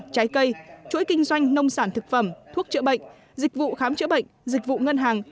trái cây chuỗi kinh doanh nông sản thực phẩm thuốc chữa bệnh dịch vụ khám chữa bệnh dịch vụ ngân hàng